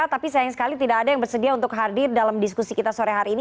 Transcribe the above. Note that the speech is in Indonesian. tapi sayang sekali tidak ada yang bersedia untuk hadir dalam diskusi kita sore hari ini